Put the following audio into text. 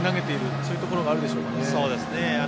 そういうところがあるでしょうか。